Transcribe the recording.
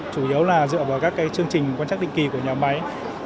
chủ yếu là dựa vào các chương trình quan chắc định kỳ của nhà máy